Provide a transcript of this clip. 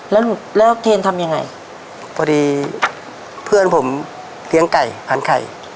แล้วแล้วเทนทำยังไงพอดีเพื่อนผมเลี้ยงไก่พันไข่